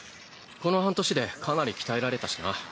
この半年でかなり鍛えられたしな。